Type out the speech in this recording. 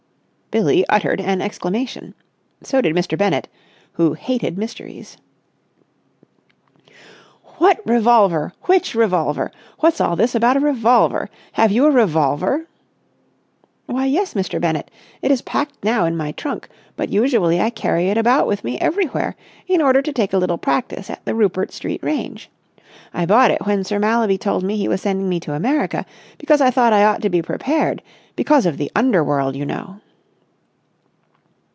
Billie uttered an exclamation. So did Mr. Bennett, who hated mysteries. "What revolver? Which revolver? What's all this about a revolver? Have you a revolver?" "Why, yes, Mr. Bennett. It is packed now in my trunk, but usually I carry it about with me everywhere in order to take a little practice at the Rupert Street range. I bought it when Sir Mallaby told me he was sending me to America, because I thought I ought to be prepared—because of the Underworld, you know."